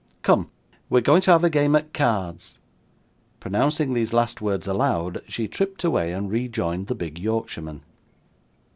Come; we're going to have a game at cards.' Pronouncing these last words aloud, she tripped away and rejoined the big Yorkshireman.